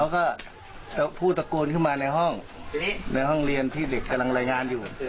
ก็พูดตะโกนขึ้นมาในห้องในห้องเรียนที่เด็กกำลังรายงานอยู่